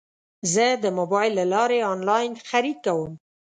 زه د موبایل له لارې انلاین خرید کوم.